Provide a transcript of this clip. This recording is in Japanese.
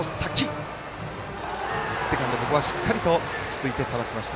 セカンド、ここはしっかりと落ち着いてさばきました。